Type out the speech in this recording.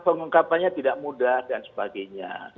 pengungkapannya tidak mudah dan sebagainya